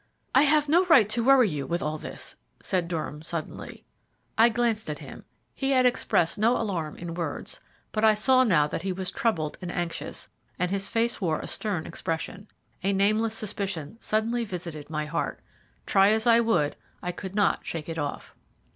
"I have no right to worry you with all this," said Durham suddenly. I glanced at him. He had expressed no alarm in words, but I saw now that he was troubled and anxious, and his face wore a stern expression. A nameless suspicion suddenly visited my heart. Try as I would, I could not shake it off.